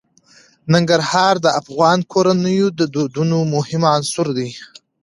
ننګرهار د افغان کورنیو د دودونو مهم عنصر دی.